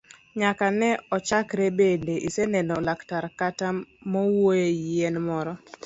Nyaka ne ochakre bende iseneno laktar kata muonyo yien moro?